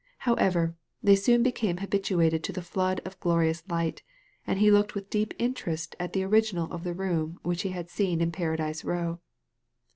However, they soon became habituated to the flood of glorious light, and he looked with deep interest at the original of the room which he had seen in Paradise Row.